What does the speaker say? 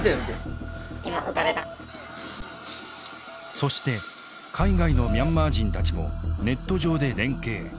そして海外のミャンマー人たちもネット上で連携。